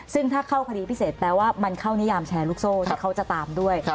ซึ่งถ้าเข้าคดีพิเศษแปลว่ามันเข้านิยามแชร์ลูกโซ่เขาจะตามด้วย